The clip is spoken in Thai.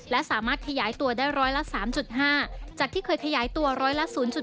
และสามารถขยายตัวได้ร้อยละ๓๕จากที่เคยขยายตัวร้อยละ๐๒